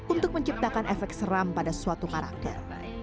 untuk menciptakan efek seram pada suatu karakter